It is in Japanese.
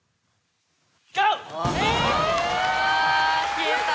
消えた。